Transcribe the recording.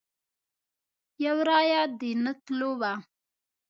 یو رایه د نه تلو وه.